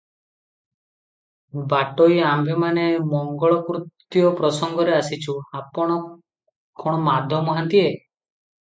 ବାଟୋଇ- ଆମ୍ଭେମାନେ ମଙ୍ଗଳକୃତ୍ୟ ପ୍ରସଙ୍ଗରେ ଆସିଛୁଁ- ଆପଣ କଣ ମାଧ ମହାନ୍ତିଏ?